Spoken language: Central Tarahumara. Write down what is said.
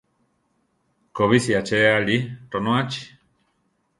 Kobísi aché aʼli, ronóachi.